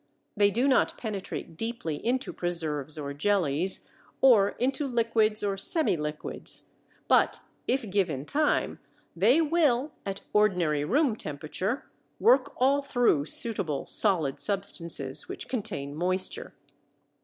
They do not penetrate deeply into preserves or jellies, or into liquids or semiliquids, but if given time they will, at ordinary room temperature, work all through suitable solid substances which contain moisture.